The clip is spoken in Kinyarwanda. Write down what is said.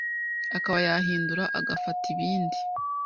akaba yahindura agafata ibindi